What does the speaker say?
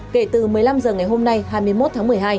kể từ một mươi năm h ngày hôm nay hai mươi một tháng một mươi hai